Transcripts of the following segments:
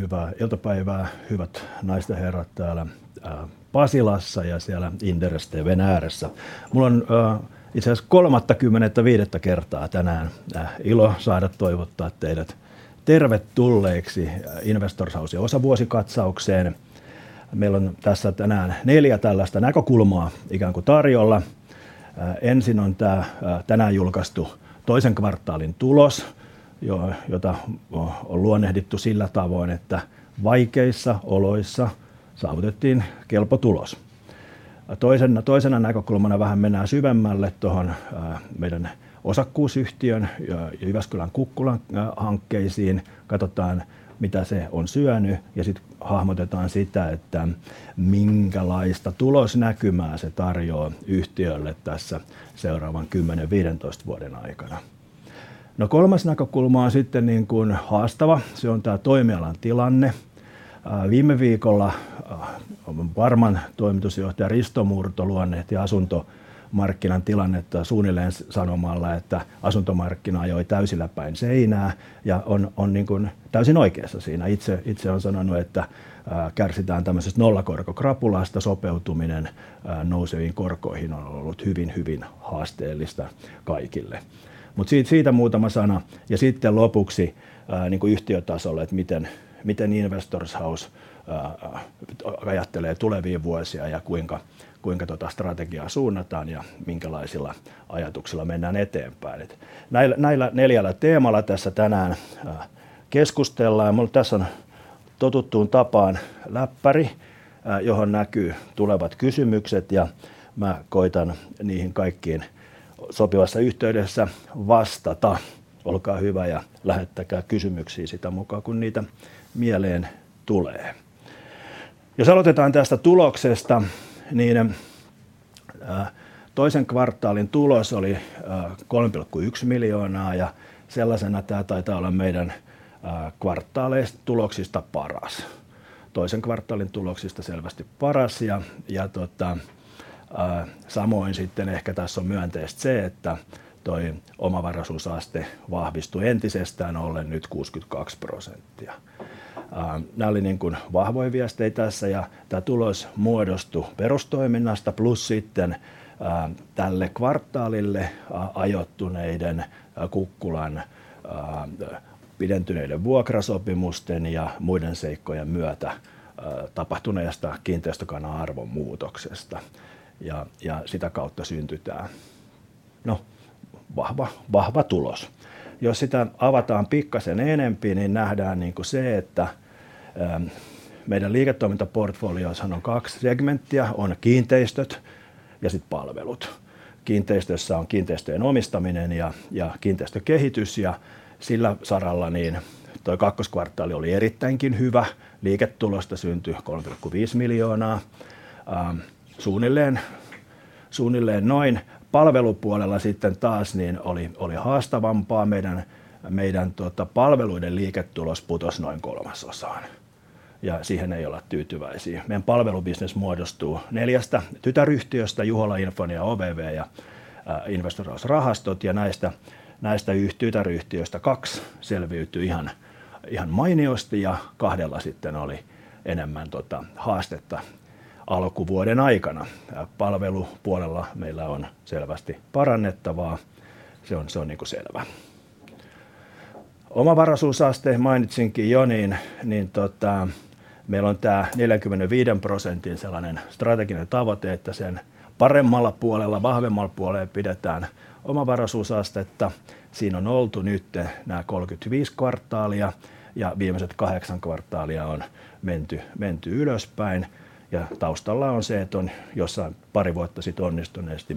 Hyvää iltapäivää, hyvät naiset ja herrat, täällä Pasilassa ja siellä internetin ääressä! Minulla on itse asiassa kolmattakymmenettäviidettä kertaa tänään ilo saada toivottaa teidät tervetulleiksi Investors Housen osavuosikatsaukseen. Meillä on tässä tänään neljä tällaista näkökulmaa ikään kuin tarjolla. Ensin on tänään julkaistu toisen kvartaalin tulos, jota on luonnehdittu sillä tavoin, että vaikeissa oloissa saavutettiin kelpo tulos. Toisena näkökulmana vähän mennään syvemmälle meidän osakkuusyhtiön ja Jyväskylän Kukkulan hankkeisiin. Katotaan, mitä se on syönyt, ja sitten hahmotetaan sitä, että minkälaista tulosnäkymää se tarjoaa yhtiölle tässä seuraavan kymmenen, viidentoista vuoden aikana. Kolmas näkökulma on sitten niin kuin haastava. Se on tää toimialan tilanne. Viime viikolla Varman Toimitusjohtaja Risto Murto luonnehti asuntomarkkinan tilannetta suunnilleen sanomalla, että asuntomarkkina ajoi täysillä päin seinää, ja on niin kuin täysin oikeassa siinä. Itse olen sanonut, että kärsitään tämmösestä nollakorkokrapulasta. Sopeutuminen nouseviin korkoihin on ollut hyvin haasteellista kaikille. Siitä muutama sana ja lopuksi yhtiötasolla, miten Investors House ajattelee tulevia vuosia ja kuinka strategiaa suunnataan ja minkälaisilla ajatuksilla mennään eteenpäin. Näillä neljällä teemalla tässä tänään keskustellaan. Mulla tässä on totuttuun tapaan läppäri, johon näkyy tulevat kysymykset, ja mä koitan niihin kaikkiin sopivassa yhteydessä vastata. Olkaa hyvä ja lähettäkää kysymyksiä sitä mukaa, kun niitä mieleen tulee. Jos aloitetaan tästä tuloksesta, niin toisen kvartaalin tulos oli €3,1 miljoonaa, ja sellaisena tää taitaa olla meidän kvartaaleista -- tuloksista paras. Toisen kvartaalin tuloksista selvästi paras, ja samoin sitten ehkä tässä on myönteistä se, että omavaraisuusaste vahvistui entisestään ollen nyt 62%. Nää oli niinkun vahvoja viestejä tässä, ja tää tulos muodostui perustoiminnasta. Tällä kvartaalille ajoittuneiden Kukkulan pidentyneiden vuokrasopimusten ja muiden seikkojen myötä tapahtuneesta kiinteistökannan arvon muutoksesta syntyi vahva tulos. Jos sitä avataan pikkasen enemmän, niin nähdään se, että meidän liiketoimintaportfoliossahan on kaksi segmenttiä: on kiinteistöt ja sitten palvelut. Kiinteistöissä on kiinteistöjen omistaminen ja kiinteistökehitys, ja sillä saralla toi kakkoskvartaali oli erittäinkin hyvä. Liiketulosta syntyi noin €3,5 miljoonaa. Palvelupuolella sitten taas oli haastavampaa. Meidän palveluiden liiketulos putosi noin kolmasosaan, ja siihen ei olla tyytyväisiä. Meidän palvelubisnes muodostuu neljästä tytäryhtiöstä: Juhola Info, OVV ja Investors Rahastot. Näistä tytäryhtiöistä kaksi selviytyi ihan mainiosti ja kahdella sitten oli enemmän haastetta alkuvuoden aikana. Palvelupuolella meillä on selvästi parannettavaa. Se on niinku selvä. Omavaraisuusaste, mainitsinkin jo, meillä on tää 45%:n sellainen strateginen tavoite, että sen paremmalla puolella, vahvemmalla puolella pidetään omavaraisuusastetta. Siinä on oltu nyt nää 35 kvartaalia ja viimeiset kahdeksan kvartaalia on menty ylöspäin. Taustalla on se, että on jossain pari vuotta sitten onnistuneesti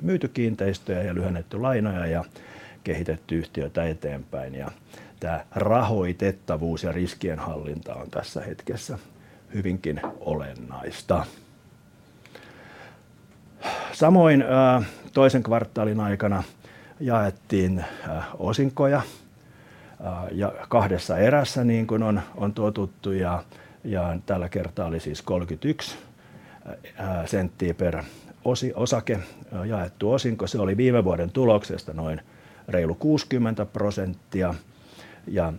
myyty kiinteistöjä ja lyhennetty lainoja ja kehitetty yhtiötä eteenpäin. Tää rahoitettavuus ja riskienhallinta on tässä hetkessä hyvinkin olennaista. Toisen kvartaalin aikana jaettiin osinkoja kahdessa erässä, niin kuin on totuttu, ja tällä kertaa oli siis €0,31 per osake jaettu osinko. Se oli viime vuoden tuloksesta noin reilu 60%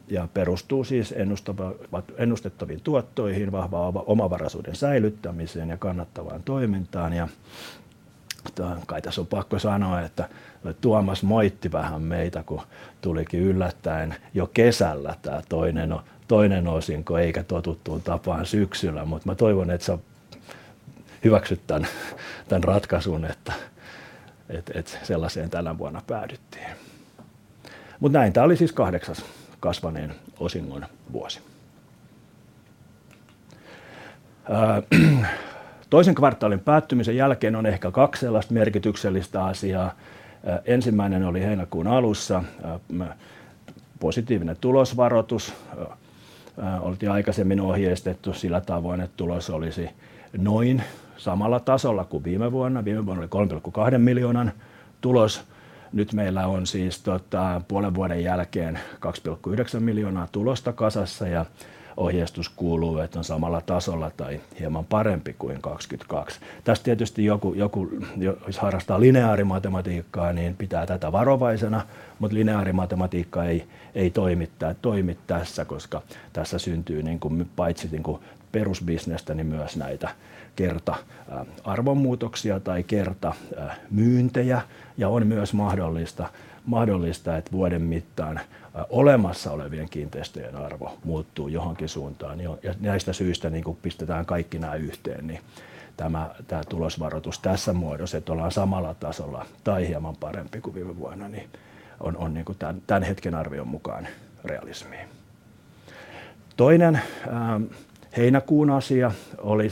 ja perustuu ennustettaviin tuottoihin, vahvaan omavaraisuuden säilyttämiseen ja kannattavaan toimintaan. Kai tässä on pakko sanoa, että Tuomas moitti vähän meitä, kun tulikin yllättäen jo kesällä tää toinen osinko, eikä totuttuun tapaan syksyllä. Mutta mä toivon, että sä... Hyväksyt tän ratkaisun, että sellaiseen tänä vuonna päädyttiin. Tää oli siis kahdeksan kasvaneen osingon vuosi. Toisen kvartaalin päättymisen jälkeen on ehkä kaksi sellaista merkityksellistä asiaa. Ensimmäinen oli heinäkuun alussa positiivinen tulosvaroitus. Oltiin aikaisemmin ohjeistettu sillä tavoin, että tulos olisi noin samalla tasolla kuin viime vuonna. Viime vuonna oli €3,2 miljoonan tulos. Nyt meillä on puolen vuoden jälkeen €2,9 miljoonaa tulosta kasassa ja ohjeistus kuuluu, että on samalla tasolla tai hieman parempi kuin 2022. Tässä tietysti joku, jos harrastaa lineaarimatematiikkaa, pitää tätä varovaisena, mutta lineaarimatematiikka ei toimi tässä, koska tässä syntyy niinkun paitsi niinkun perusbisnestä, niin myös näitä kertaarvonmuutoksia tai kertamyyntejä. On myös mahdollista, että vuoden mittaan olemassa olevien kiinteistöjen arvo muuttuu johonkin suuntaan. Näistä syistä, kun pistetään kaikki nämä yhteen, niin tämä tulosvaroitus tässä muodossa, että ollaan samalla tasolla tai hieman parempi kuin viime vuonna, on tämän hetken arvion mukaan realismia. Toinen heinäkuun asia oli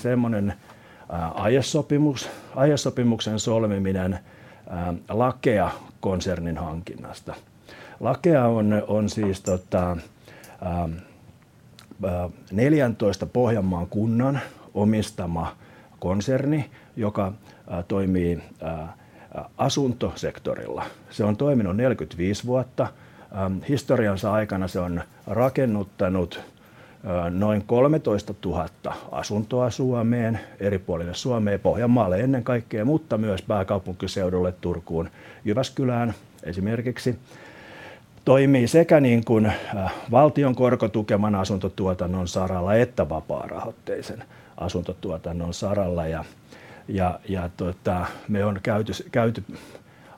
aiesopimuksen solmiminen Lakea-konsernin hankinnasta. Lakea on neljäntoista Pohjanmaan kunnan omistama konserni, joka toimii asuntosektorilla. Se on toiminut 45 vuotta. Historiansa aikana se on rakennuttanut noin 13 000 asuntoa Suomeen, eri puolille Suomea, Pohjanmaalle ennen kaikkea, mutta myös pääkaupunkiseudulle, Turkuun ja Jyväskylään, esimerkiksi. Toimii sekä valtion korkotukeman asuntotuotannon saralla että vapaarahoitteisen asuntotuotannon saralla. Me on käyty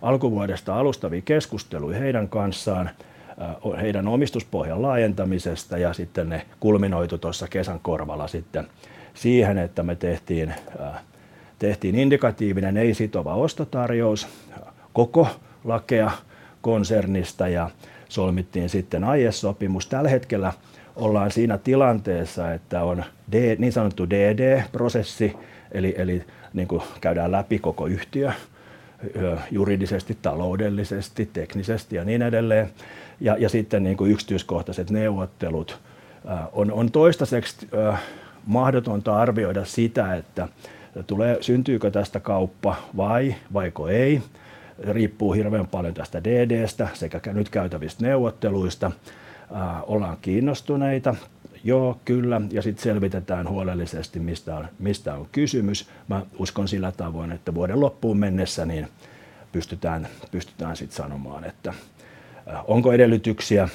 alkuvuodesta alustavia keskusteluja heidän kanssaan heidän omistuspohjan laajentamisesta, ja sitten ne kulminoituivat tuossa kesän korvalla siihen, että me tehtiin indikatiivinen, ei sitova ostotarjous koko Lakea-konsernista ja solmittiin sitten aiesopimus. Tällä hetkellä ollaan siinä tilanteessa, että on niin sanottu DD-prosessi, eli käydään läpi koko yhtiö juridisesti, taloudellisesti, teknisesti ja niin edelleen. Sitten käydään yksityiskohtaiset neuvottelut. On toistaiseksi mahdotonta arvioida sitä, syntyykö tästä kauppa vai ei. Riippuu hirveän paljon tästä DD:stä sekä nyt käytävistä neuvotteluista. Ollaan kiinnostuneita, kyllä, ja sitten selvitetään huolellisesti, mistä on kysymys. Uskon sillä tavoin, että vuoden loppuun mennessä pystytään sanomaan, onko edellytyksiä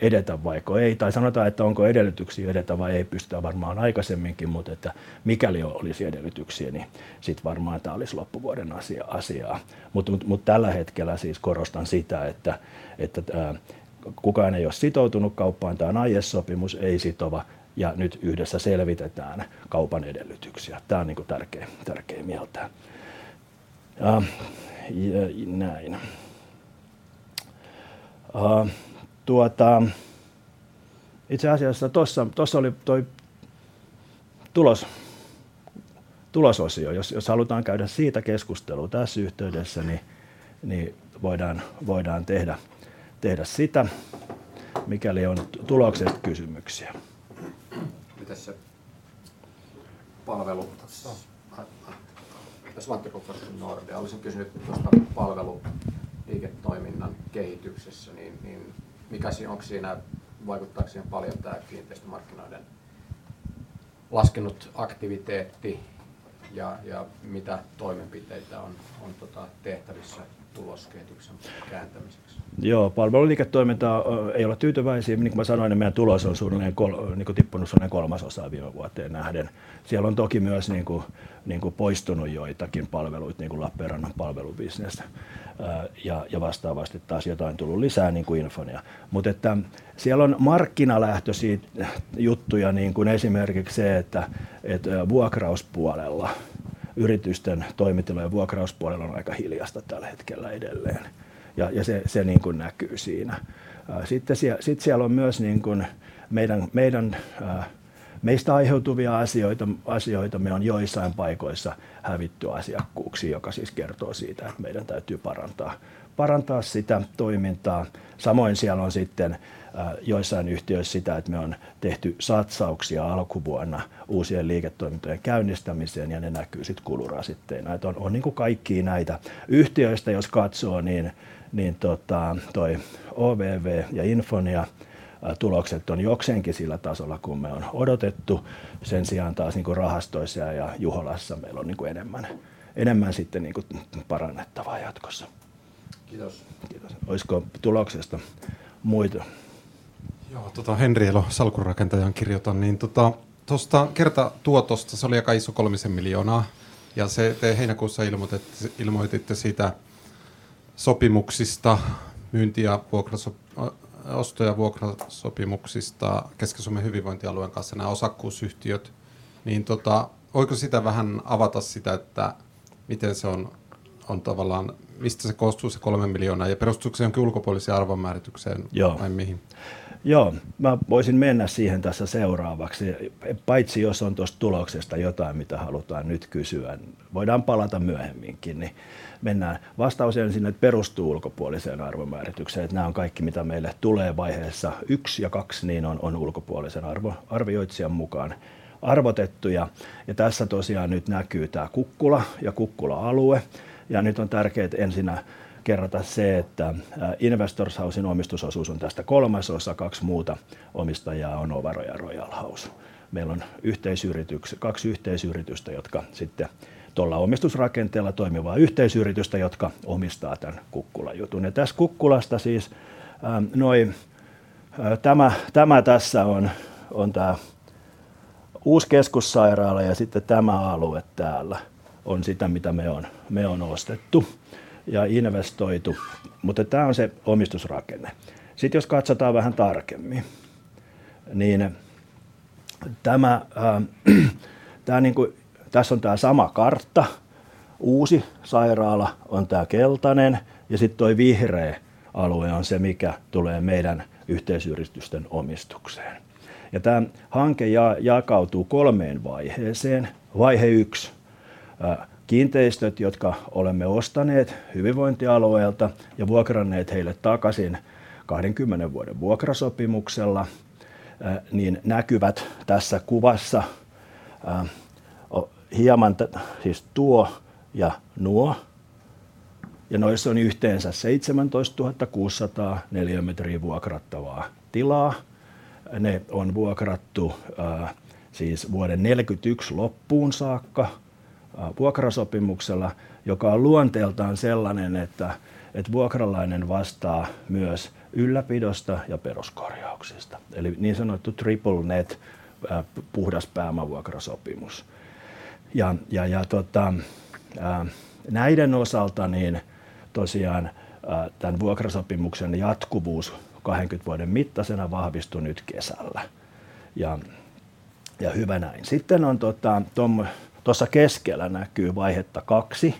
edetä vai ei. Tai sanotaan, että onko edellytyksiä edetä vai ei, pystytään varmaan aikaisemminkin, mutta mikäli olisi edellytyksiä, niin sitten tämä olisi loppuvuoden asia. Tällä hetkellä korostan sitä, että kukaan ei ole sitoutunut kauppaan. Tämä on aiesopimus, ei sitova, ja nyt yhdessä selvitetään kaupan edellytyksiä. Tämä on tärkeä mieltää. Näin. Tossa oli tulososio. Jos halutaan käydä siitä keskustelua tässä yhteydessä, niin voidaan tehdä sitä. Mikäli on tulokseen kysymyksiä. Mites se palvelu? Tässä Antti Kukkonen Nordeasta. Olisin kysynyt tuosta palveluliiketoiminnan kehityksestä, mikä siinä, onko siinä, vaikuttaako siihen paljon tämä kiinteistömarkkinoiden laskenut aktiviteetti? Ja mitä toimenpiteitä on tehtävissä tuloskehityksen kääntämisessä? Palveluliiketoimintaan ei olla tyytyväisiä. Meidän tulos on suunnilleen tippunut semmoinen kolmasosa viime vuoteen nähden. Siellä on toki myös poistunut joitakin palveluita, niin kuin Lappeenrannan palvelubisnes, ja vastaavasti taas jotain tullut lisää, niin kuin Infonia. Siellä on markkinalähtöisiä juttuja, niin kuin esimerkiksi se, että vuokrauspuolella, yritysten toimitilojen vuokrauspuolella on aika hiljaista tällä hetkellä edelleen, ja se näkyy siinä. Siellä on myös meistä aiheutuvia asioita. Me on joissain paikoissa hävitty asiakkuuksia, joka kertoo siitä, että meidän täytyy parantaa sitä toimintaa. Samoin siellä on sitten joissain yhtiöissä sitä, että me on tehty satsauksia alkuvuonna uusien liiketoimintojen käynnistämiseen, ja ne näkyy sitten kulurakenteissa. Näitä on kaikkia näitä. Yhtiöistä jos katsoo, niin OVV:n ja Infonian tulokset on jokseenkin sillä tasolla kuin me on odotettu. Sen sijaan taas rahastoissa ja Juholassa meillä on enemmän parannettavaa jatkossa. Kiitos, kiitos! Oisko tuloksesta muita? Henri Elo Salkunrakentajaan kirjoitan tosta kertatuotosta. Se oli aika iso, kolmisen miljoonaa, ja te heinäkuussa ilmoititte siitä sopimuksista, myynti- ja vuokrasopimuksista Keski-Suomen hyvinvointialueen kanssa, nää osakkuusyhtiöt. Voiko sitä vähän avata, että miten se on tavallaan mistä se koostuu, se €3 miljoonaa? Ja perustuuko se johonkin ulkopuoliseen arvonmääritykseen? Joo. Vai mihin? Joo, mä voisin mennä siihen tässä seuraavaksi. Paitsi jos on tuosta tuloksesta jotain, mitä halutaan nyt kysyä, niin voidaan palata myöhemminkin, niin mennään. Vastaus ensin, että perustuu ulkopuoliseen arvonmääritykseen. Nää on kaikki, mitä meille tulee vaiheessa yksi ja kaksi, niin on ulkopuolisen arvioitsijan mukaan arvotettuja. Ja tässä tosiaan nyt näkyy tää Kukkula ja Kukkula-alue. Ja nyt on tärkeää, että ensin kerrataan se, että Investors Housen omistusosuus on tästä kolmasosa. Kaksi muuta omistajaa on Avara ja Royal House. Meillä on yhteisyritykset, kaksi yhteisyritystä, jotka sitten tolla omistusrakenteella toimivat yhteisyrityksiä, jotka omistaa tän Kukkula-jutun. Ja tässä Kukkulasta noi, tämä tässä on tää uusi keskussairaala ja sitten tämä alue täällä on sitä, mitä me on ostettu ja investoitu. Mutta tää on se omistusrakenne. Sitten jos katsotaan vähän tarkemmin, niin tässä on tää sama kartta. Uusi sairaala on tää keltainen ja sitten toi vihreä alue on se, mikä tulee meidän yhteisyritysten omistukseen. Tää hanke jakautuu kolmeen vaiheeseen. Vaihe yksi: kiinteistöt, jotka olemme ostaneet hyvinvointialueelta ja vuokranneet heille takaisin kahdenkymmenen vuoden vuokrasopimuksella, niin näkyvät tässä kuvassa. Hieman siis tuo ja nuo, ja noissa on yhteensä 17 600 neliömetriä vuokrattavaa tilaa. Ne on vuokrattu vuoden 2041 loppuun saakka vuokrasopimuksella, joka on luonteeltaan sellainen, että vuokralainen vastaa myös ylläpidosta ja peruskorjauksista. Eli niin sanottu triple net puhdas pääoma vuokrasopimus. Näiden osalta tosiaan tän vuokrasopimuksen jatkuvuus kahdenkymmenen vuoden mittaisena vahvistui nyt kesällä, ja hyvä näin. Sitten tuossa keskellä näkyy vaihetta kaksi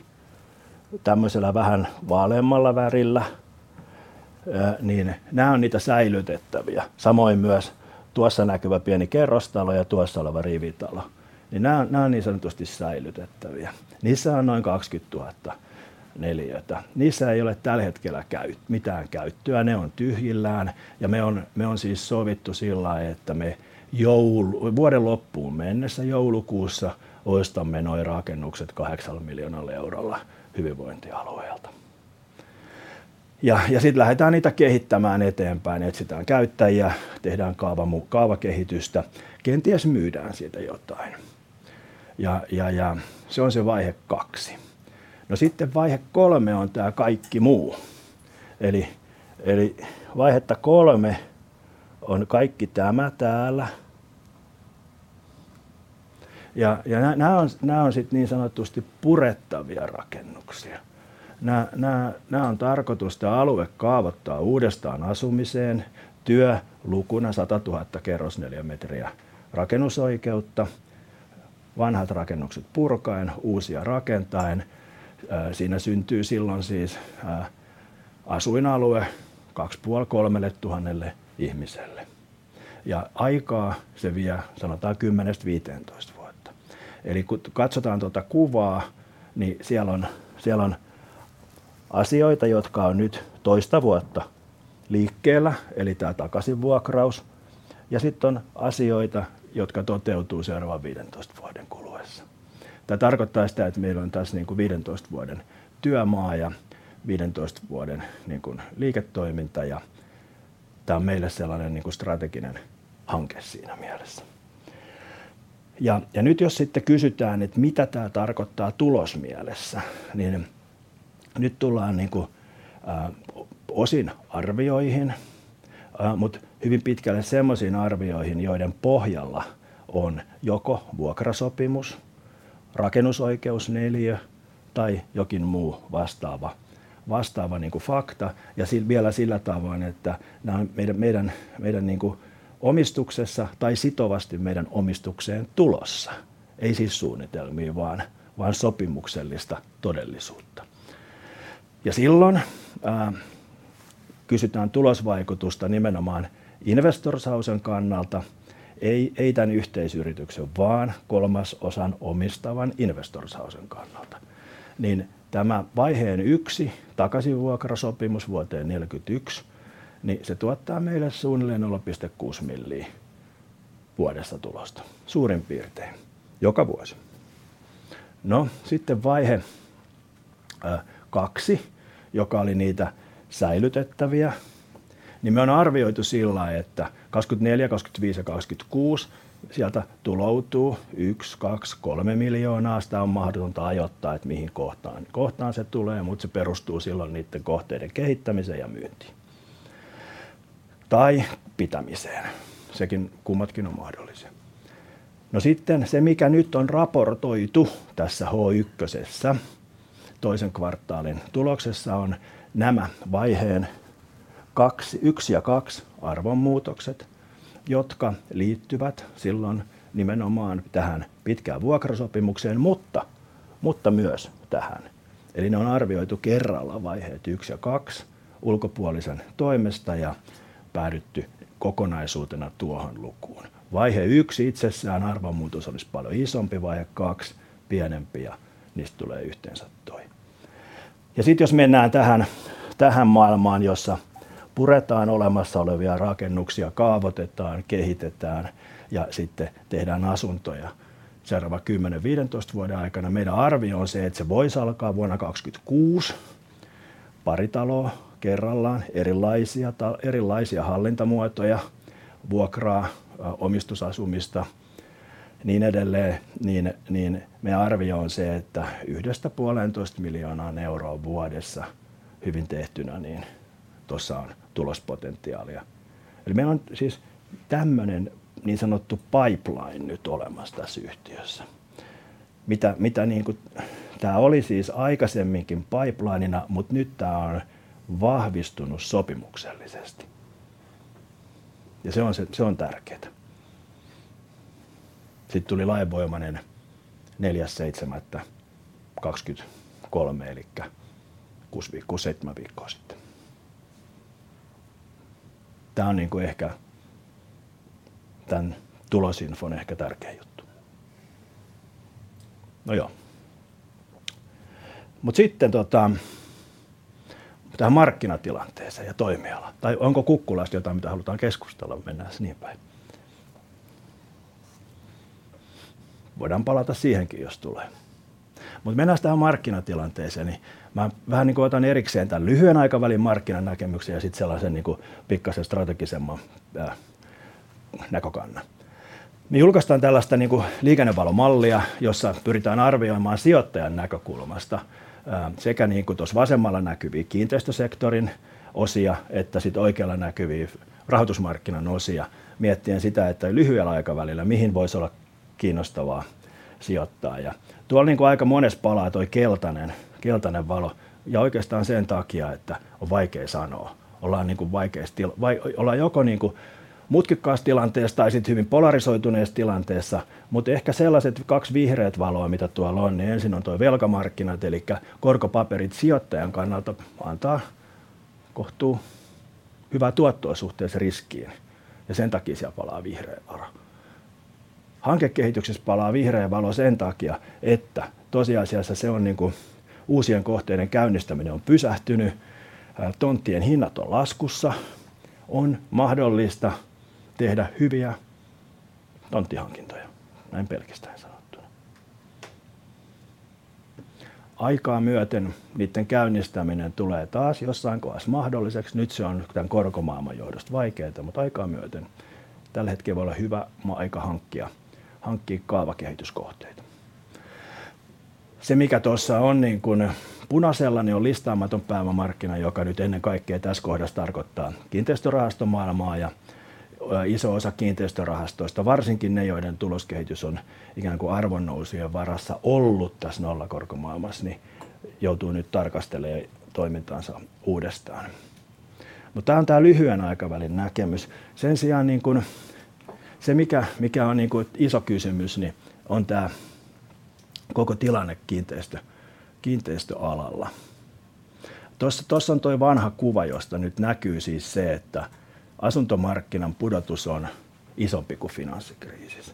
tämmöisellä vähän vaaleammalla värillä, niin nää on niitä säilytettäviä. Samoin myös tuossa näkyvä pieni kerrostalo ja tuossa oleva rivitalo. Nää on niin sanotusti säilytettäviä. Niissähän on noin 20 000 neliötä. Niissä ei ole tällä hetkellä mitään käyttöä. Ne on tyhjillään ja me on sovittu sillain, että me joulukuussa, vuoden loppuun mennessä, ostamme noi rakennukset €8 miljoonalla hyvinvointialueelta. Sitten lähdetään niitä kehittämään eteenpäin. Etsitään käyttäjiä, tehdään kaavan mukaan kaavakehitystä, kenties myydään siitä jotain. Se on se vaihe kaksi. Vaihe kolme on tää kaikki muu, eli kaikki tämä täällä. Nää on sitten niin sanotusti purettavia rakennuksia. Nää on tarkoitus tää alue kaavoittaa uudestaan asumiseen. Työlukuna 100 000 kerrosneliömetriä rakennusoikeutta vanhat rakennukset purkaen, uusia rakentaen. Siinä syntyy silloin asuinalue 2 500–3 000 ihmiselle. Aikaa se vie, sanotaan 10–15 vuotta. Eli kun katsotaan tuota kuvaa, niin siellä on asioita, jotka on nyt toista vuotta liikkeellä, eli tää takaisinvuokraus. Sitten on asioita, jotka toteutuu seuraavan 15 vuoden kuluessa. Tämä tarkoittaa sitä, että meillä on tässä viidentoista vuoden työmaa ja viidentoista vuoden liiketoiminta, ja tämä on meille sellainen strateginen hanke siinä mielessä. Jos sitten kysytään, että mitä tämä tarkoittaa tulosmielessä, niin nyt tullaan osin arvioihin, mutta hyvin pitkälle sellaisiin arvioihin, joiden pohjalla on joko vuokrasopimus, rakennusoikeusneliö tai jokin muu vastaava fakta. Vielä sillä tavoin, että nämä ovat meidän omistuksessa tai sitovasti meidän omistukseen tulossa. Ei siis suunnitelmia, vaan sopimuksellista todellisuutta. Silloin kysytään tulosvaikutusta nimenomaan Investor Housen kannalta. Ei tämän yhteisyrityksen, vaan kolmasosan omistavan Investor Housen kannalta. Vaiheen yksi takaisinvuokrasopimus vuoteen 2041 tuottaa meille suunnilleen €0,6 miljoonaa vuodessa tulosta suurin piirtein joka vuosi. Vaihe kaksi, joka oli niitä säilytettäviä, on arvioitu sillain, että 2024, 2025 ja 2026 sieltä tuloutuu €1, €2, €3 miljoonaa. Sitä on mahdotonta ajoittaa, että mihin kohtaan se tulee, mutta se perustuu silloin niitten kohteiden kehittämiseen ja myyntiin tai pitämiseen. Kummatkin ovat mahdollisia. Sitten se, mikä nyt on raportoitu tässä yhtiössä toisen kvartaalin tuloksessa, on nämä vaiheen yksi ja kaksi arvonmuutokset, jotka liittyvät silloin nimenomaan tähän pitkään vuokrasopimukseen. Ne on arvioitu kerralla vaiheet yksi ja kaksi ulkopuolisen toimesta ja päädytty kokonaisuutena tuohon lukuun. Vaihe yksi itsessään arvonmuutos olisi paljon isompi, vaihe kaksi pienempi, ja niistä tulee yhteensä toi. Jos mennään tähän maailmaan, jossa puretaan olemassa olevia rakennuksia, kaavoitetaan, kehitetään ja sitten tehdään asuntoja seuraavan kymmenen, viidentoista vuoden aikana, meidän arvio on se, että se voisi alkaa vuonna 2022. Pari taloa kerrallaan, erilaisia hallintamuotoja, vuokraa, omistusasumista niin edelleen. Meidän arvio on se, että yhdestä puoleentoista miljoonaan euroa vuodessa. Hyvin tehtynä, niin tossa on tulospotentiaalia. Meillä on tämmönen niin sanottu pipeline nyt olemassa tässä yhtiössä. Tää oli aikaisemminkin pipelinena, mutta nyt tää on vahvistunut sopimuksellisesti, ja se on tärkeää. Lainvoimainen tuli 4.7.2023, eli kuusi tai seitsemän viikkoa sitten. Tää on ehkä tän tulosinfon tärkein juttu. Mennään sitten tähän markkinatilanteeseen ja toimialaan. Tai onko Kukkulasta jotain, mitä halutaan keskustella? Mennään niin päin. Voidaan palata siihenkin, jos tulee. Mennään tähän markkinatilanteeseen, niin mä otan erikseen tän lyhyen aikavälin markkinanäkemyksen ja sit sellaisen pikkasen strategisemman näkökannan. Me julkaistaan tällaista liikennevalomallia, jossa pyritään arvioimaan sijoittajan näkökulmasta sekä tuossa vasemmalla näkyviä kiinteistösektorin osia että oikealla näkyviä rahoitusmarkkinan osia. Miettien sitä, että lyhyellä aikavälillä mihin voisi olla kiinnostavaa sijoittaa. Tuolla aika monessa palaa keltanen valo, ja oikeastaan sen takia, että on vaikea sanoa. Ollaan vaikeassa tilanteessa, joko mutkikkaassa tilanteessa tai hyvin polarisoituneessa tilanteessa. Ehkä sellaiset kaksi vihreää valoa, mitä tuolla on, niin ensin on tuo velkamarkkinat. Korkopaperit sijoittajan kannalta antavat kohtuullisen hyvää tuottoa suhteessa riskiin, ja sen takia siellä palaa vihreä valo. Hankekehityksessä palaa vihreä valo sen takia, että tosiasiassa uusien kohteiden käynnistäminen on pysähtynyt. Tonttien hinnat ovat laskussa. On mahdollista tehdä hyviä tonttihankintoja. Näin pelkistäen sanottuna. Aikaa myöten niiden käynnistäminen tulee taas jossain kohdassa mahdolliseksi. Nyt se on tämän korkomaailman johdosta vaikeaa, mutta aikaa myöten. Tällä hetkellä voi olla hyvä aika hankkia kaavakehityskohteita. Se, mikä tuossa on punaisella, on listaamaton pääomamarkkina, joka nyt ennen kaikkea tässä kohdassa tarkoittaa kiinteistörahastomaailmaa. Iso osa kiinteistörahastoista, varsinkin ne, joiden tuloskehitys on ikään kuin arvonnousujen varassa ollut tässä nollakorkomaailmassa, joutuu nyt tarkastelemaan toimintaansa uudestaan. Tämä on tämä lyhyen aikavälin näkemys. Sen sijaan se, mikä on iso kysymys, on tämä koko tilanne kiinteistöalalla. Tossa on toi vanha kuva, josta nyt näkyy se, että asuntomarkkinan pudotus on isompi kuin finanssikriisissä.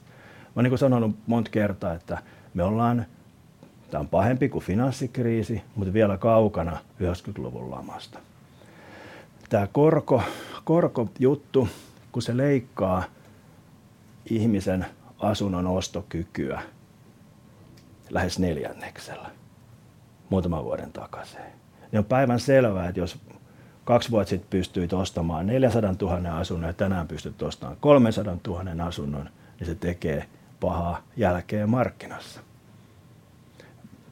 Olen sanonut monta kertaa, että tämä on pahempi kuin finanssikriisi, mutta vielä kaukana 1990-luvun lamasta. Tämä korkojuttu, kun se leikkaa ihmisen asunnon ostokykyä lähes neljänneksellä muutaman vuoden takaisin. On päivänselvää, että jos kaksi vuotta sitten pystyit ostamaan 400 000 euron asunnon ja tänään pystyt ostamaan 300 000 euron asunnon, niin se tekee pahaa jälkeä markkinassa.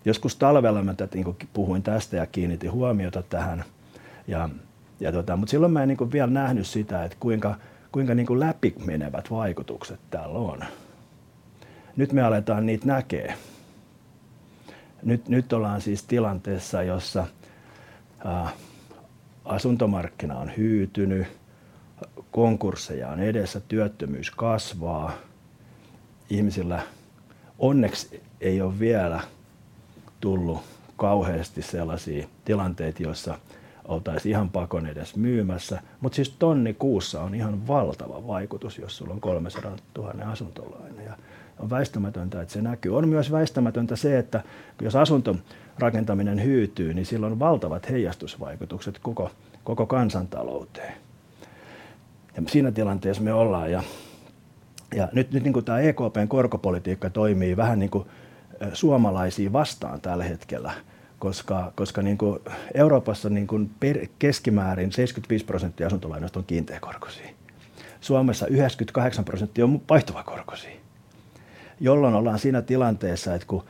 Joskus talvella puhuin tästä ja kiinnitin huomiota tähän. Silloin en vielä nähnyt sitä, kuinka läpimenevät vaikutukset tällä on. Nyt me aletaan niitä näkemään. Nyt ollaan siis tilanteessa, jossa asuntomarkkina on hyytynyt, konkursseja on edessä ja työttömyys kasvaa. Ihmisillä onneks ei oo vielä tullu kauheesti sellaisia tilanteita, joissa oltais ihan pakon edessä myymässä. Tonni kuussa on ihan valtava vaikutus, jos sulla on 300 000 asuntolaina, ja on väistämätöntä, että se näkyy. On myös väistämätöntä se, että jos asuntorakentaminen hyytyy, niin sillä on valtavat heijastusvaikutukset koko kansantalouteen. Siinä tilanteessa me ollaan, ja nyt tää EKP:n korkopolitiikka toimii vähän niinku suomalaisia vastaan tällä hetkellä, koska Euroopassa keskimäärin 75% asuntolainoista on kiinteäkorkoisia. Suomessa 98% on vaihtuvakorkoisia, jolloin ollaan siinä tilanteessa, että kun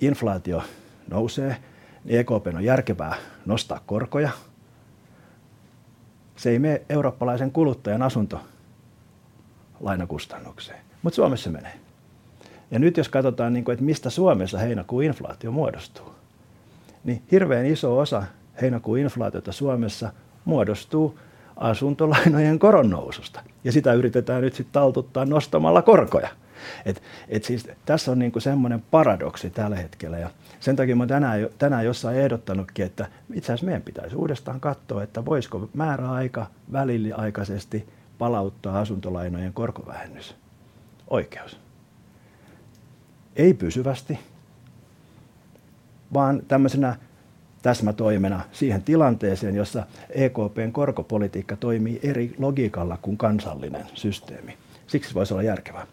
inflaatio nousee, niin EKP:n on järkevää nostaa korkoja. Se ei mee eurooppalaisen kuluttajan asuntolainakustannukseen, mutta Suomessa menee. Jos katotaan, mistä Suomessa heinäkuun inflaatio muodostuu, niin hirveen iso osa heinäkuun inflaatiota Suomessa muodostuu asuntolainojen koronnoususta, ja sitä yritetään nyt sit taltuttaa nostamalla korkoja. Tässä on sellainen paradoksi tällä hetkellä, ja sen takia olen tänään jo jossain ehdottanutkin, että itse asiassa meidän pitäisi uudelleen katsoa, voisiko määräaikaisesti palauttaa asuntolainojen korkovähennysoikeuden. Ei pysyvästi, vaan tällaisena täsmätoimena siihen tilanteeseen, jossa EKP:n korkopolitiikka toimii eri logiikalla kuin kansallinen systeemi. Siksi se voisi olla järkevää.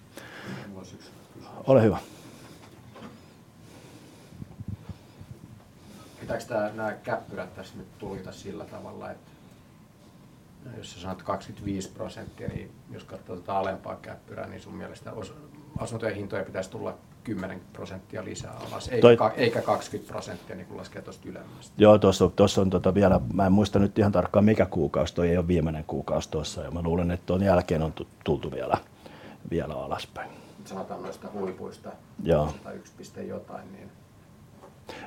Mulla ois yksi kysymys. Ole hyvä! Pitääks tää nää käppyrät tässä nyt tulkita sillä tavalla, että jos sä sanot 25%, niin jos kattoo tota alempaa käppyrää, niin sun mielestä asuntojen hintoja pitäis tulla 10% lisää alas? Toi- Eikä 20% niin kuin laskee tosta ylemmästä. Joo, tos on, tos on tota vielä... mä en muista nyt ihan tarkkaan, mikä kuukaus toi on, ei oo viimenen kuukaus tuossa, ja mä luulen, että tuon jälkeen on tultu vielä alaspäin. Sanotaan noista huipuista. Joo. Yksi piste jotain,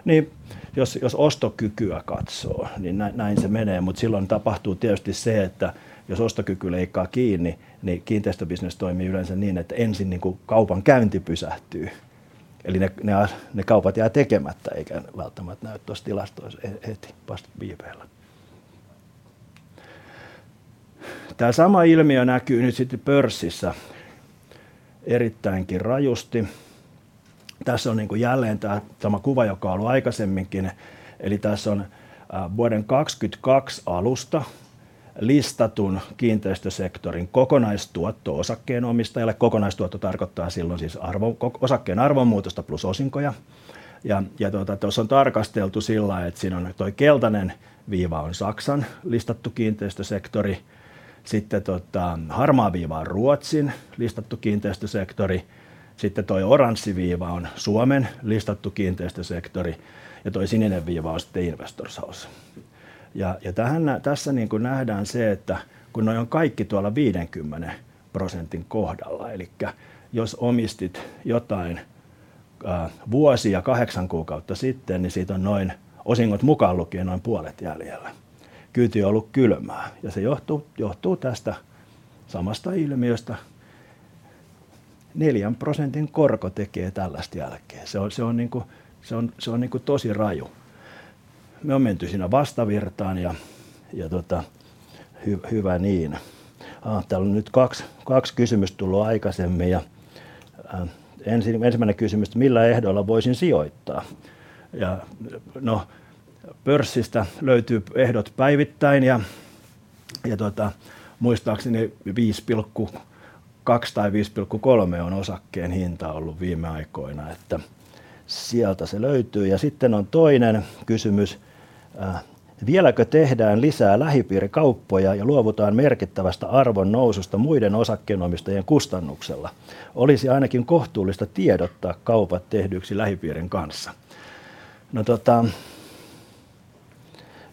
niin. Jos ostokykyä katsoo, niin näin se menee, mutta silloin tapahtuu tietysti se, että jos ostokyky leikkaa kiinni, niin kiinteistöbisnes toimii yleensä niin, että ensin kaupankäynti pysähtyy, eli ne kaupat jää tekemättä, eikä ne välttämättä näy tuossa tilastoissa heti, vaan viiveellä. Tämä sama ilmiö näkyy nyt sitten pörssissä erittäinkin rajusti. Tässä on jälleen tämä sama kuva, joka on ollut aikaisemminkin. Eli tässä on vuoden 2022 alusta listatun kiinteistösektorin kokonaistuotto osakkeenomistajalle. Kokonaistuotto tarkoittaa silloin siis osakkeen arvonmuutosta plus osinkoja. Tossa on tarkasteltu sillai, että siinä on toi keltainen viiva on Saksan listattu kiinteistösektori. Sitten harmaa viiva on Ruotsin listattu kiinteistösektori. Sitten oranssi viiva on Suomen listattu kiinteistösektori ja sininen viiva on sitten Investors House. Tässä nähdään se, että kun noi on kaikki tuolla 50% kohdalla, elikkä jos omistit jotain vuosi ja kahdeksan kuukautta sitten, niin siitä on, osingot mukaan lukien, noin puolet jäljellä. Kyyti on ollut kylmää ja se johtuu tästä samasta ilmiöstä. 4% korko tekee tällaista jälkeä. Se on tosi raju. Me on menty siinä vastavirtaan, ja hyvä niin. Täällä on nyt kaksi kysymystä tullut aikaisemmin. Ensimmäinen kysymys: millä ehdoilla voisin sijoittaa? Pörssistä löytyy ehdot päivittäin ja muistaakseni 5,2 tai 5,3 on osakkeen hinta ollut viime aikoina, että sieltä se löytyy. Sitten on toinen kysymys: vieläkö tehdään lisää lähipiirikauppoja ja luovutaan merkittävästä arvonnoususta muiden osakkeenomistajien kustannuksella? Olisi ainakin kohtuullista tiedottaa kaupat tehdyiksi lähipiirin kanssa.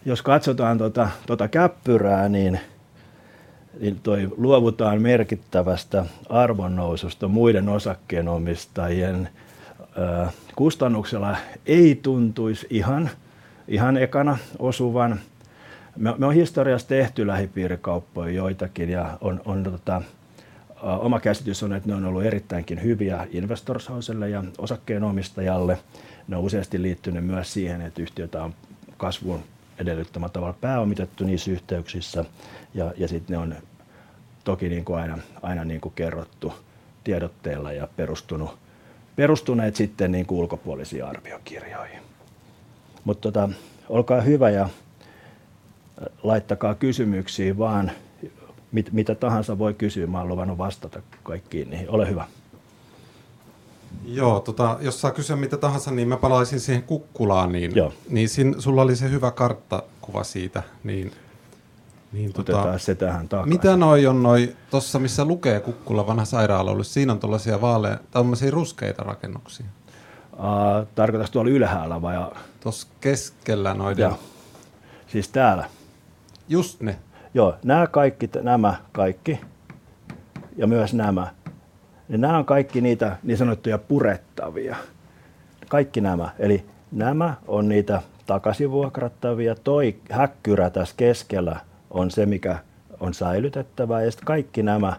Jos katsotaan tuota käppyrää, niin toi "luovutaan merkittävästä arvonnoususta muiden osakkeenomistajien kustannuksella" ei tuntuisi ihan ekana osuvan. Me on historiassa tehty lähipiirikauppoja joitakin, ja on... Oma käsitys on, että ne on ollu erittäinkin hyviä Investors Houselle ja osakkeenomistajalle. Ne on useasti liittyny myös siihen, että yhtiötä on kasvun edellyttämällä tavalla pääomitettu niissä yhteyksissä. Sit ne on toki aina kerrottu tiedotteella ja perustuneet sitten ulkopuolisiin arviokirjoihin. Olkaa hyvä ja laittakaa kysymyksiä vaan. Mitä tahansa voi kysyä. Mä oon luvannut vastata kaikkiin, niin ole hyvä! Jos saa kysyä mitä tahansa, niin mä palaisin siihen kukkulaan. Joo. Niin, sinulla oli se hyvä karttakuva siitä. Niin. Otetaan se tähän takaisin. Mitä noi on noi tossa, missä lukee kukkula, vanha sairaala ollu. Siinä on tollasia vaaleita tai tommosii ruskeita rakennuksii. Tarkoitasitko tuolla ylhäällä? Tos keskellä noiden. Joo, siis täällä. Just now. Nämä kaikki ja myös nämä, niin nämä on kaikki niitä niin sanottuja purettavia. Kaikki nämä. Eli nämä on niitä takasin vuokrattavia. Toi häkkyrä täs keskellä on se, mikä on säilytettävä. Ja sit kaikki nämä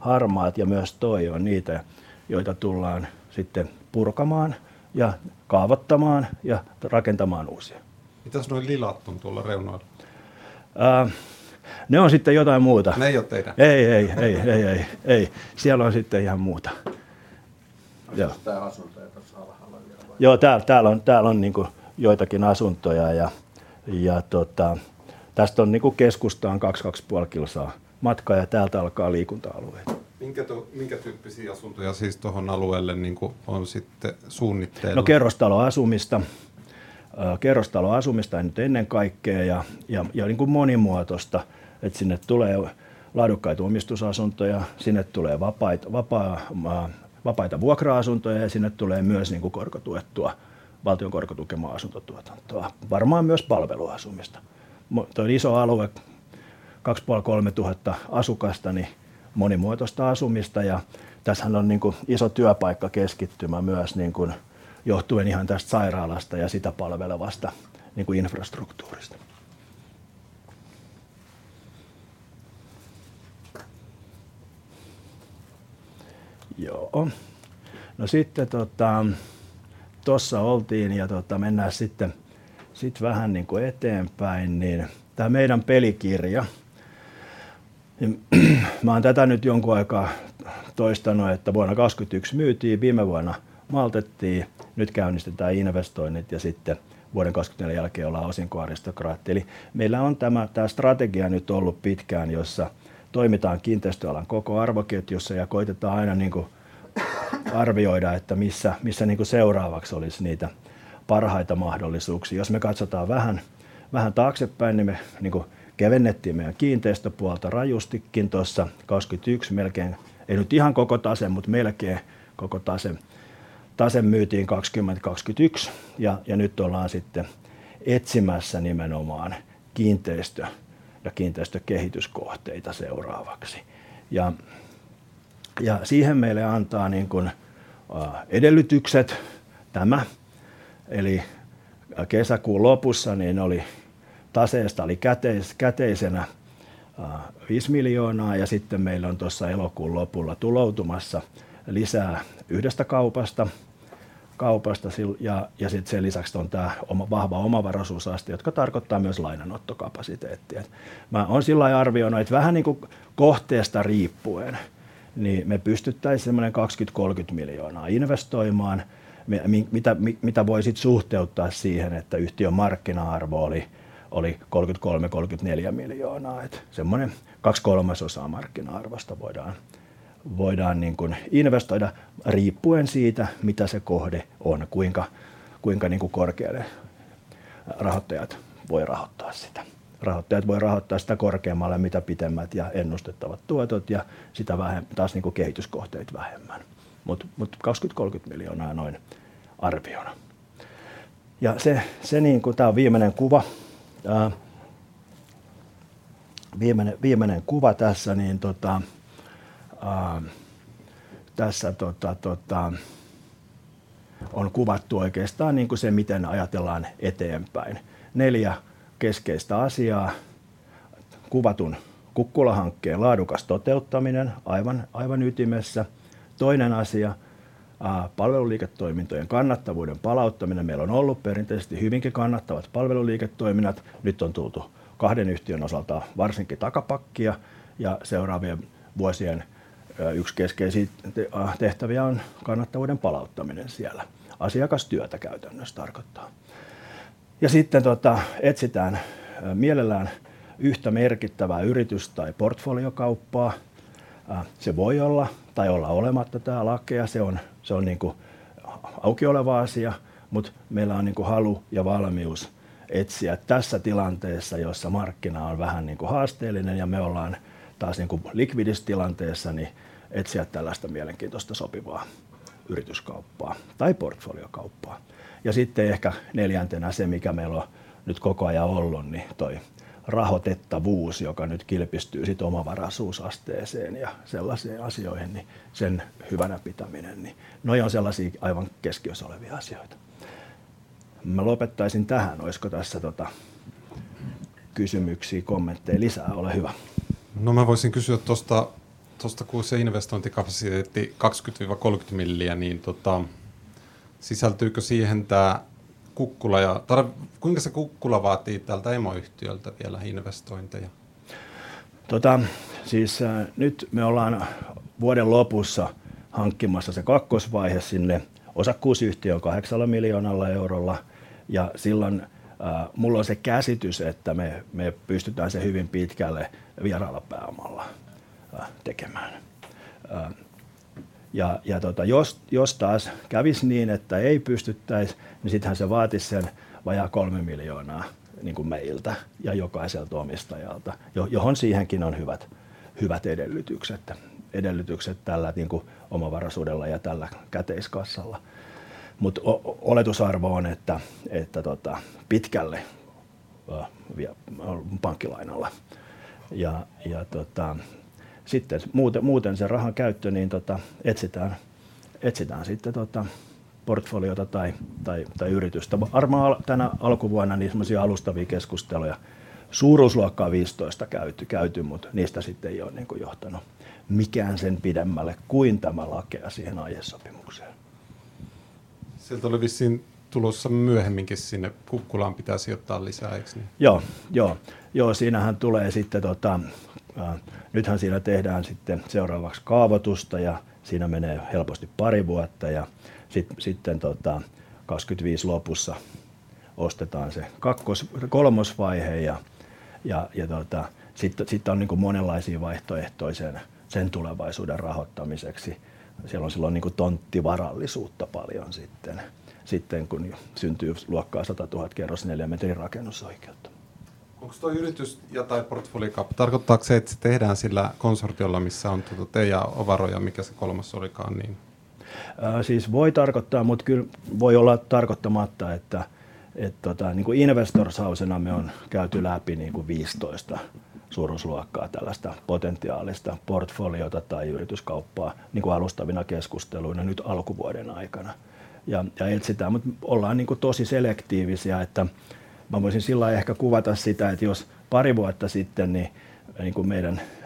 harmaat ja myös toi on niitä, joita tullaan sitten purkamaan ja kaavoittamaan ja rakentamaan uusia. Mitäs noi lilat on tuolla reunoilla? Ne ovat sitten jotain muuta. Ne ei oo teidän? Siellä on sitten ihan muuta. Joo. Tässä asuntoja tuossa alhaalla vielä. Täällä on joitakin asuntoja ja tästä on keskustaan kaksi ja puoli kilometriä matkaa ja täältä alkaa liikunta-alue. Minkä tyyppisiä asuntoja tohon alueelle on sitten suunnitteilla? Kerrostaloasumista, ennen kaikkea monimuotoista, niin sinne tulee laadukkaita omistusasuntoja, sinne tulee vapaita vuokra-asuntoja ja sinne tulee myös korkotuettua, valtion korkotukemaa asuntotuotantoa, varmaan myös palveluasumista. Toi on iso alue, kaksi ja puoli, kolmetuhatta asukasta, niin monimuotoista asumista, ja tässähän on iso työpaikkakeskittymä myös johtuen ihan tästä sairaalasta ja sitä palvelevasta infrastruktuurista. Sitten tota tuossa oltiin, ja mennään sitten vähän eteenpäin, niin tää meidän pelikirja. Mä oon tätä nyt jonkun aikaa toistanut, että vuonna 2022 myytiin, viime vuonna maltettiin. Nyt käynnistetään investoinnit ja sitten vuoden 2024 jälkeen ollaan osinkoaristokraatti. Eli meillä on tämä strategia nyt ollut pitkään, jossa toimitaan kiinteistöalan koko arvoketjussa ja koitetaan aina arvioida, että missä seuraavaksi olisi niitä parhaita mahdollisuuksia. Jos me katsotaan vähän taaksepäin, niin me kevennettiin meidän kiinteistöpuolta rajustikin tuossa 2022, melkein koko tase myytiin 2022, ja nyt ollaan sitten etsimässä nimenomaan kiinteistö- ja kiinteistökehityskohteita seuraavaksi. Siihen meille antaa edellytykset tämä. Eli kesäkuun lopussa taseesta oli käteistä €5 miljoonaa, ja sitten meillä on elokuun lopulla tuloutumassa lisää yhdestä kaupasta, ja sen lisäksi on tää oma vahva omavaraisuusaste, jotka tarkoittaa myös lainanottokapasiteettia. Mä oon arvioinut, että vähän kohteesta riippuen, niin me pystyttäis semmoinen €20–30 miljoonaa investoimaan. Mitä voi sitten suhteuttaa siihen, että yhtiön markkina-arvo oli €33–34 miljoonaa. Semmoinen kaksi kolmasosaa markkina-arvosta voidaan investoida riippuen siitä, mitä se kohde on ja kuinka korkealle rahoittajat voivat rahoittaa sitä. Rahoittajat voi rahoittaa sitä korkeammalle, mitä pitemmät ja ennustettavat tuotot, ja sitä vähemmän taas kehityskohteet vähemmän. Kakskyt, kolkyt miljoonaa noin arviona. Tässä on kuvattu oikeastaan se, miten ajatellaan eteenpäin. Neljä keskeistä asiaa. Kuvatun kukkulahankkeen laadukas toteuttaminen aivan ytimessä. Toinen asia, palveluliiketoimintojen kannattavuuden palauttaminen. Meillä on ollut perinteisesti hyvinkin kannattavat palveluliiketoiminnat. Nyt on tultu kahden yhtiön osalta varsinkin takapakkia, ja seuraavien vuosien yksi keskeisiä tehtäviä on kannattavuuden palauttaminen siellä. Asiakastyötä käytännössä tarkoittaa. Sitten etsitään mielellään yhtä merkittävää yritys- tai portfoliokauppaa. Se voi olla tai olla olematta tää Lakea. Se on auki oleva asia, mutta meillä on halu ja valmius etsiä tässä tilanteessa, jossa markkina on vähän haasteellinen ja me ollaan taas likvidissä tilanteessa, niin etsiä tällaista mielenkiintoista, sopivaa yrityskauppaa tai portfoliokauppaa. Sitten ehkä neljäntenä se, mikä meillä on nyt koko ajan ollut, niin toi rahoitettavuus, joka nyt kilpistyy sit omavaraisuusasteeseen ja sellaisiin asioihin, niin sen hyvänä pitäminen, noin on sellaisia aivan keskiössä olevia asioita. Mä lopettaisin tähän. Oisko tässä tota kysymyksii, kommentteja lisää? Ole hyvä! Voisin kysyä tuosta investointikapasiteetista, 20–30 miljoonaa, niin sisältyykö siihen tämä kukkula ja kuinka paljon kukkula vaatii tältä emoyhtiöltä vielä investointeja? Nyt me ollaan vuoden lopussa hankkimassa se kakkosvaihe sinne osakkuusyhtiöön kahdeksalla miljoonalla eurolla, ja silloin mulla on se käsitys, että me pystytään se hyvin pitkälle vieraalla pääomalla tekemään. Jos taas kävisi niin, että ei pystyttäis, niin sittenhän se vaatisi sen vajaa kolme miljoonaa niinku meiltä ja jokaiselta omistajalta, johon siihenkin on hyvät edellytykset tällä niinku omavaraisuudella ja tällä käteiskassalla. Mutta oletusarvo on, että tota pitkälle vie pankkilainalla, ja sitten muuten se rahan käyttö, niin etsitään sitten portfoliota tai yritystä. Varmaan tänä alkuvuonna sellaisia alustavia keskusteluja suuruusluokkaa viistoista käyty, mutta niistä sitten ei ole niinku johtanut mikään sen pidemmälle kuin tämä Lakeasien aiesopimukseen. Sieltä oli vissiin tulossa myöhemminkin sinne Kukkulaan pitää sijoittaa lisää, eikö niin? Siinähän tulee sitten seuraavaksi kaavoitusta ja siinä menee helposti pari vuotta. Sitten kakskytviis lopussa ostetaan se kakkos-kolmosvaihe ja sitten on niinku monenlaisii vaihtoehtoja sen tulevaisuuden rahoittamiseksi. Siellä on silloin niinku tonttivarallisuutta paljon, kun syntyy luokkaa 100 000 kerrosneliömetriä rakennusoikeutta. Onks toi yritys- ja portfoliokauppa, tarkoittaako se, että se tehdään sillä konsortiolla, missä on te ja Ovaro ja mikä se kolmas olikaan? Voi tarkoittaa, mutta kyllä voi olla tarkoittamatta. Investor Housena me on käyty läpi viistoista suuruusluokkaa tällaista potentiaalista portfoliota tai yrityskauppaa alustavina keskusteluina nyt alkuvuoden aikana. Etsitään, mutta ollaan tosi selektiivisiä. Mä voisin ehkä kuvata sitä niin, että jos pari vuotta sitten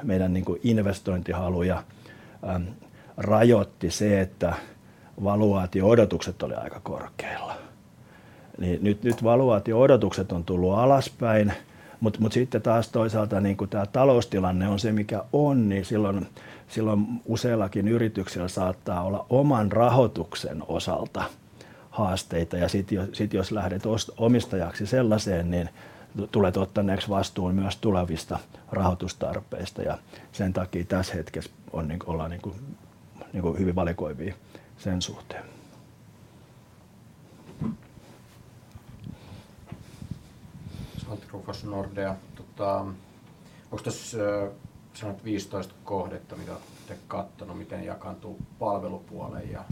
meidän investointihaluja rajoitti se, että valuaatio-odotukset oli aika korkeilla, niin nyt valuaatio-odotukset on tullut alaspäin. Sitten taas toisaalta tää taloustilanne on se mikä on, niin silloin usealla yrityksellä saattaa olla oman rahoituksen osalta haasteita. Jos lähdet omistajaksi sellaiseen, niin tulet ottaneeksi vastuun myös tulevista rahoitustarpeista, ja sen takia tässä hetkessä ollaan hyvin valikoivia sen suhteen. Salko Krokos, Nordea. Onks tässä, sä sanoit 15 kohdetta, mitä ootte katsonut, miten jakaantuu palvelupuoleen ja-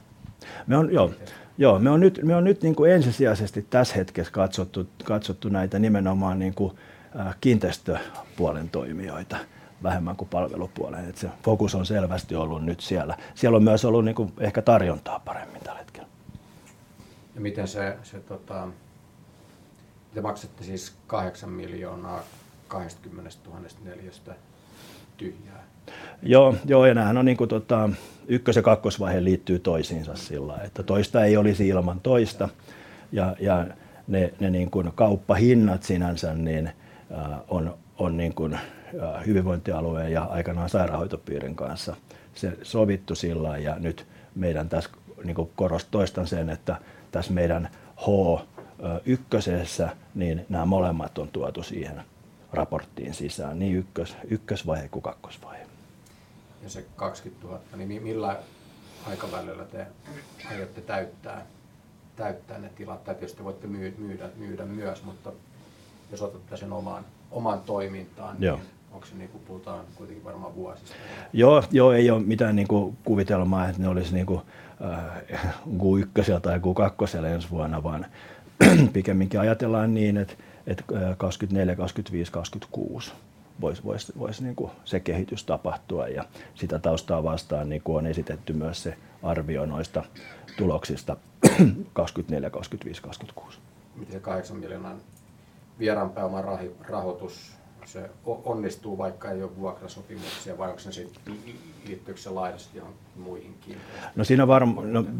Nyt on ensisijaisesti tässä hetkessä katsottu nimenomaan kiinteistöpuolen toimijoita vähemmän kuin palvelupuolen. Se fokus on selvästi ollut siellä. Siellä on myös ollut ehkä tarjontaa paremmin tällä hetkellä. Te maksatte siis €8 miljoonaa kahdestakymmenestätuhannesta neliöstä tyhjää. Nämä ykkösvaihe ja kakkosvaihe liittyvät toisiinsa sillä tavalla, että toista ei olisi ilman toista. Kauppahinnat sinänsä on hyvinvointialueen ja aikanaan sairaanhoitopiirin kanssa sovittu sillä tavalla. Toistan sen, että tässä meidän H1:ssä nämä molemmat on tuotu siihen raporttiin sisään, niin ykkösvaihe kuin kakkosvaihe. Jos kakskyt tuhatta, niin millä aikavälillä te aiotte täyttää ne tilat? Tai tietysti voitte myydä myös, mutta jos otatte sen omaan toimintaan- Joo. Onko se niinku, puhutaan kuitenkin varmaan vuosista? Joo, ei ole mitään kuvitelmaa, että ne olisivat Q1:llä tai Q2:lla ensi vuonna, vaan pikemminkin ajatellaan niin, että 2024, 2025, 2026 voisi se kehitys tapahtua, ja sitä taustaa vastaan on esitetty myös se arvio noista tuloksista. 2024, 2025, 2026. Miten se kahdeksan miljoonan vieraan pääomarahoitus onnistuu, vaikka ei ole vuokrasopimuksia, vai liittyykö se laajasti joihinkin muihinkin?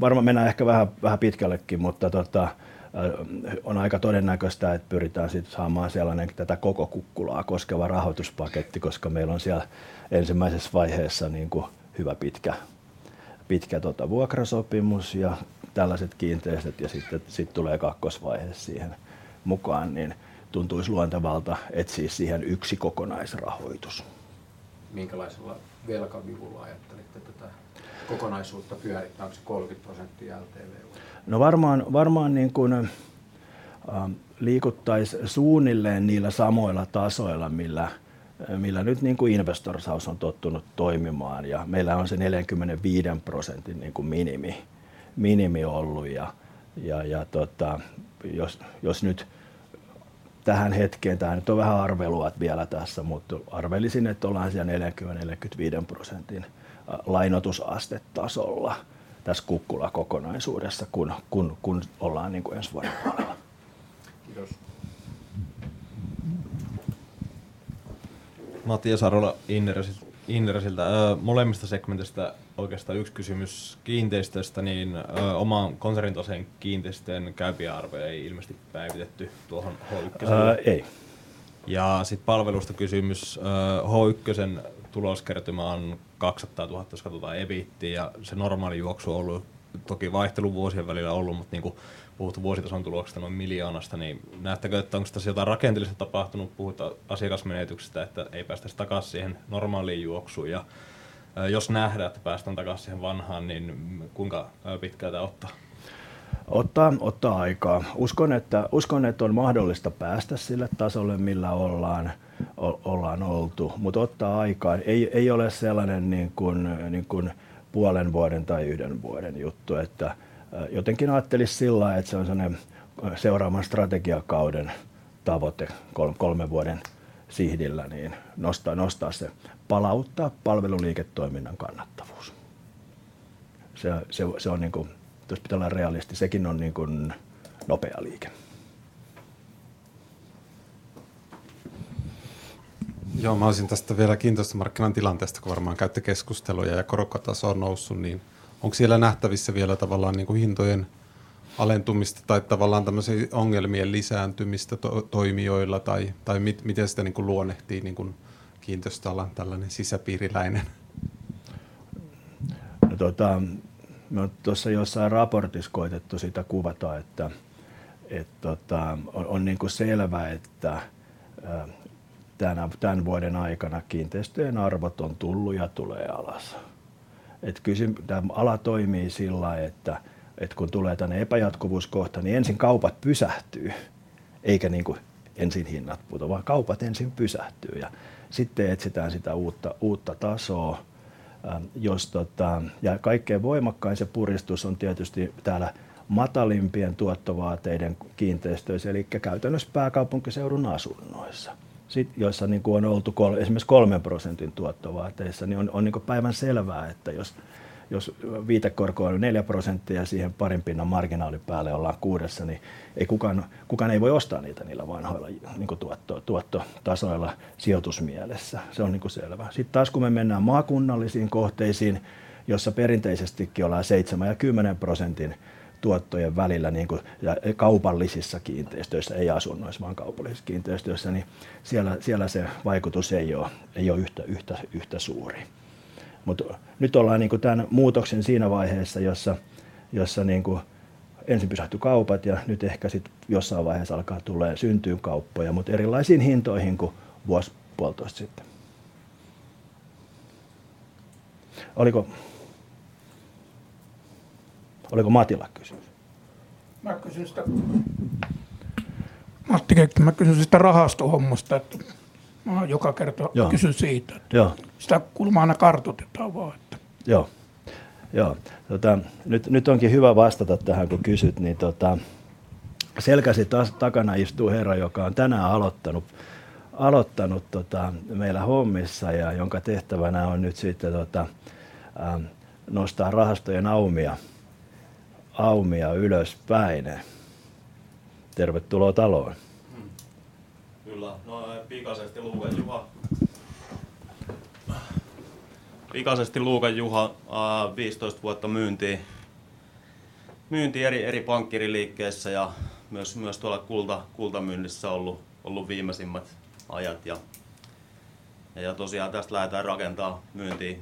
Varmaan mennään ehkä vähän pitkällekin, mutta on aika todennäköistä, että pyritään sitten saamaan sellainen tätä koko kukkulaa koskeva rahoituspaketti, koska meillä on siellä ensimmäisessä vaiheessa niinkuin hyvä pitkä vuokrasopimus ja tällaiset kiinteistöt, ja sitten tulee kakkosvaihe siihen mukaan, niin tuntuisi luontevalta etsiä siihen yksi kokonaisrahoitus. Minkälaisella velkavivulla ajattelitte tätä kokonaisuutta pyörittää? Onko se 30% LTV vai? Varmaan liikuttaisiin suunnilleen niillä samoilla tasoilla, millä Investors House on tottunut toimimaan, ja meillä on se 45% minimi ollut. Jos nyt tähän hetkeen – tää nyt on vähän arvelua vielä tässä, mutta arvelisin, että ollaan siellä 40–45% lainoitusastetasolla tässä Kukkula-kokonaisuudessa, kun ollaan ensi vuoden puolella. Kiitos! Matias Sarola Inneriltä, Inneräseltä. Molemmista segmentistä oikeastaan yksi kysymys. Kiinteistöistä, niin omaan konsernin osake kiinteistöjen käypä arvo ei ilmeisesti päivitetty tuohon H1:een. Öö ei. Sitten palvelusta kysymys. H1:n tuloskertymä on €200 000, jos katsotaan EBITiä, ja se normaali juoksu on ollut, toki vaihtelua vuosien välillä ollut, mutta niinkuin puhuttu vuositason tuloksesta noin miljoonasta, niin näettekö, että onko tässä jotain rakenteellisesti tapahtunut? Puhuitte asiakasmenetyksistä, että ei päästäisi takaisin siihen normaaliin juoksuun. Ja jos nähdään, että päästään takaisin siihen vanhaan, niin kuinka pitkään tämä ottaa? Ottaa aikaa. Uskon, että on mahdollista päästä sille tasolle, millä on oltu, mutta ottaa aikaa. Ei ole sellainen niinkun puolen vuoden tai yhden vuoden juttu, että jotenkin ajattelisi sillain, että se on sellainen seuraavan strategiakauden tavoite. Kolmen vuoden sihdillä, niin nostaa se, palauttaa palveluliiketoiminnan kannattavuus. Se on niinkun, jos pitää olla realisti, sekin on niinkun nopea liike. Olisin tästä vielä kiinteistömarkkinatilanteesta, kun varmaan käytte keskusteluja ja koronkantotaso on noussut, niin onko siellä nähtävissä vielä tavallaan niinkun hintojen alentumista tai tavallaan tämmösiä ongelmien lisääntymistä toimijoilla? Tai miten sitä niinkun luonnehtii niinkun kiinteistöalan tällainen sisäpiiriläinen? Tota, on tuossa jossain raportissa koitettu sitä kuvata, että tän vuoden aikana kiinteistöjen arvot on tullut ja tulee alas. Tää ala toimii sillain, että kun tulee tämmöinen epäjatkuvuuskohta, niin ensin kaupat pysähtyy, eikä ensin hinnat putoo, vaan kaupat ensin pysähtyy ja sitten etsitään sitä uutta tasoo. Kaikkein voimakkain se puristus on tietysti täällä matalimpien tuottovaateiden kiinteistöissä, elikkä käytännössä pääkaupunkiseudun asunnoissa, joissa on oltu esimerkiks 3% tuottovaateissa. On niinku päivänselvää, että jos viitekorko on 4%, siihen parin pinnan marginaalin päälle ollaan 6%:ssa, niin kukaan ei voi ostaa niitä niillä vanhoilla tuottotasoilla sijoitusmielessä, se on selvä. Sit taas kun me mennään maakunnallisiin kohteisiin, joissa perinteisestikin ollaan 7% ja 10% tuottojen välillä, kaupallisissa kiinteistöissä, ei asunnoissa, vaan kaupallisissa kiinteistöissä, niin siellä se vaikutus ei oo yhtä suuri. Mut nyt ollaan tän muutoksen siinä vaiheessa, jossa ensin pysähty kaupat ja nyt ehkä sit jossain vaiheessa alkaa syntyy kauppoja, mut erilaisiin hintoihin kuin vuos puoltoist sitten. Oliko Matilla kysymys? Matti Kekki. Kysyn siitä rahastohommasta, että joka kerta- Joo. Kysyn siitä. Joo. Sitä kulmaa aina kartoitetaan vaan. Selkäsi takana istuu herra, joka on tänään aloittanut meillä hommissa ja jonka tehtävänä on sitten nostaa rahastojen aumia ylöspäin. Tervetuloa taloon! Kyllä. Pikaisesti Luukan Juha. Viisitoista vuotta myyntiä eri pankkiiriliikkeissä ja myös kultamyynnissä viimeisimmät ajat, ja tosiaan tästä lähdetään rakentamaan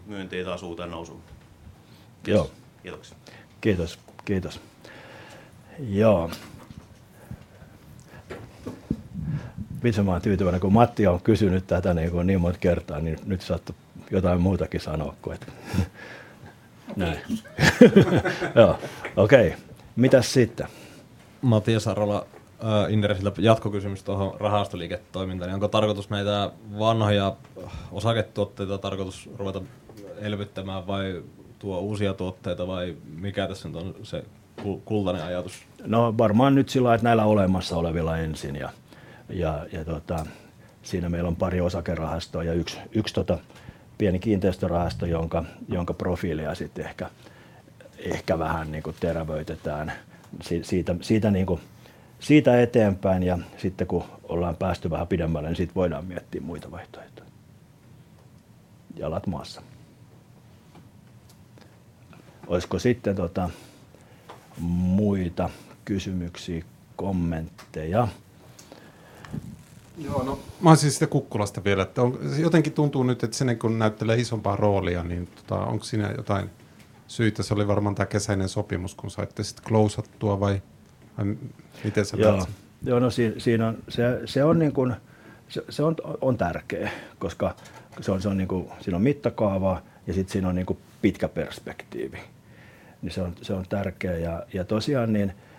myyntiä taas uuteen nousuun. Joo. Kiitoksia. Kiitos, kiitos! Oon itse vaan tyytyväinen, kun Matti on kysynyt tätä niin monta kertaa, niin nyt saattoi jotain muutakin sanoa kuin ei. Näin. Okei, mitäs sitten? Matias Sarola, Inderes. Jatkokysymys tuohon rahastoliiketoimintaan: onko tarkoitus näitä vanhoja osaketuotteita ruveta elvyttämään vai tuoda uusia tuotteita? Mikä tässä on se kultainen ajatus? Nyt mennään näillä olemassa olevilla ensin, ja meillä on pari osakerahastoa ja yksi pieni kiinteistörahasto, jonka profiilia ehkä vähän terävöitetään siitä eteenpäin. Sitten kun ollaan päästy vähän pidemmälle, niin voidaan miettiä muita vaihtoehtoja. Jalat maassa. Onko sitten muita kysymyksiä tai kommentteja? No, mä oisin siitä Kukkulasta vielä, että jotenkin tuntuu nyt, et se niinku näyttelee isompaa roolia. Onks siinä jotain syitä? Se oli varmaan tää kesäinen sopimus, kun saitte sit klousattua, vai miten se meni? Joo, siinä on se tärkeä asia, koska siinä on mittakaavaa ja siinä on pitkä perspektiivi. Tosiaan,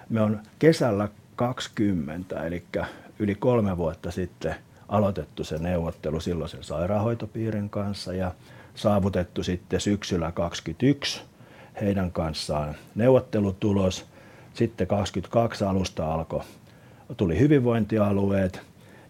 me on kesällä 2020, elikkä yli kolme vuotta sitten, aloitettu neuvottelu silloisen sairaanhoitopiirin kanssa ja saavutettu sitten syksyllä 2022 heidän kanssaan neuvottelutulos. Sitten 2022 alusta alkoivat hyvinvointialueet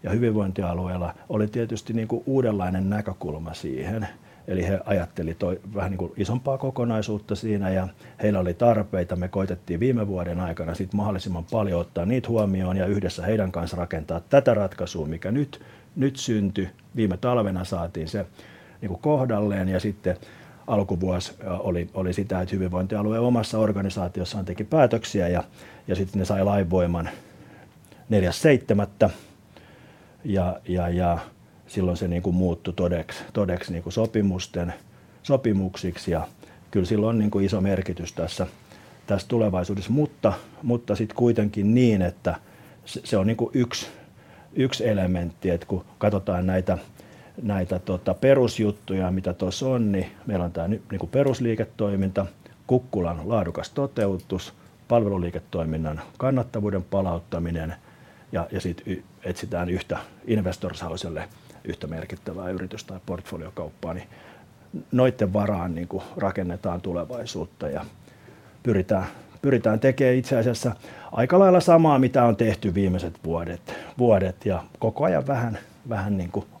ja hyvinvointialueilla oli tietysti uudenlainen näkökulma siihen. He ajattelivat vähän isompaa kokonaisuutta siinä ja heillä oli tarpeita. Me koitettiin viime vuoden aikana mahdollisimman paljon ottaa ne huomioon ja yhdessä heidän kanssaan rakentaa tätä ratkaisua, mikä nyt syntyi. Viime talvena saatiin se kohdalleen ja sitten alkuvuosi oli sitä, että hyvinvointialue omassa organisaatiossaan teki päätöksiä ja ne sai lainvoiman 4.7. Silloin se muuttui todeksi, sopimuksiksi. Kyllä sillä on iso merkitys tässä tulevaisuudessa. Sit kuitenkin niin, että se on yksi elementti, että kun katsotaan näitä perusjuttuja, mitä tuossa on, niin meillä on tämä perusliiketoiminta, Kukkulan laadukas toteutus, palveluliiketoiminnan kannattavuuden palauttaminen. Sit etsitään Investor Houselle yhtä merkittävää yritys- tai portfoliokauppaa, niin noiden varaan rakennetaan tulevaisuutta ja pyritään tekemään itse asiassa aika lailla samaa, mitä on tehty viimeiset vuodet, ja koko ajan vähän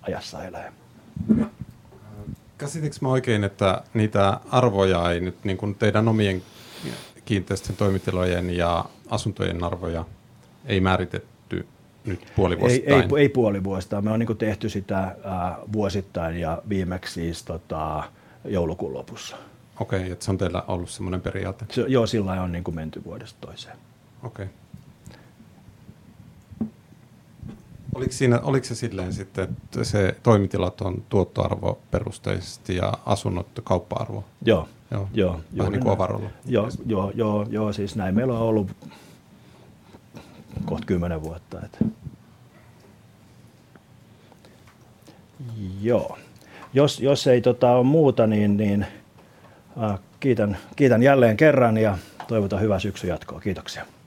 ajassa eläen. Käsitinkö mä oikein, että niitä arvoja, ei nyt niinkun teidän omien kiinteistöjen, toimitilojen ja asuntojen arvoja, ei määritetty nyt puoli vuotta sitten? Ei, ei puoli vuotta. Me on niinku tehty sitä vuosittain ja viimeks siis tota joulukuun lopussa. Okei, se on teillä ollut semmoinen periaate. Joo, sillai on niinku menty vuodesta toiseen. Oliks siinä, oliks se silleen sitten, että toimitilat on tuottoarvoperusteisesti ja asunnot kauppa-arvo? Joo. Joo. Joo. Vähän niinku avaran. Näin meillä on ollu kohta kymmenen vuotta. Jos ei tota ole muuta, niin kiitän jälleen kerran ja toivotan hyvää syksyn jatkoa. Kiitoksia!